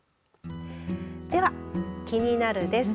ではキニナル！です。